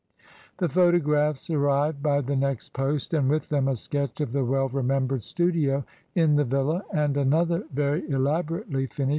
The photographs arrived by the next post, and with them a sketch of the well remembered studio in the villa, and another very elaborately finished 284 MRS.